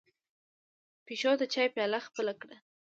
پيشو د چای پياله خپله کړه.